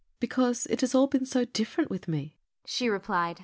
"Because it has been all so different with me," she replied.